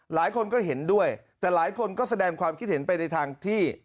หลายคนก็เห็นด้วยแต่หลายคนก็แสดงความคิดเห็นไปในทางที่